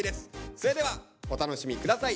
それではお楽しみ下さい。